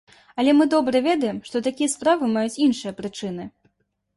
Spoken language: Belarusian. Але мы добра ведаем, што такія справы маюць іншыя прычыны.